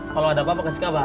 kalau ada apa makasih kabar